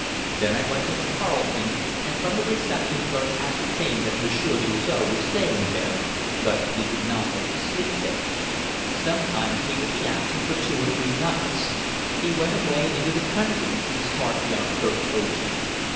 Then I went to the Carlton, and from the reception clerk ascertained that Monsieur Suzor was staying there, but he did not always sleep there. Sometimes he would be absent for two or three nights. He went away into the country, the smart young clerk believed.